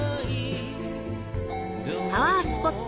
パワースポット